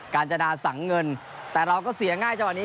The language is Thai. การจนาสังเงินแต่เราก็เสียง่ายจังหวะนี้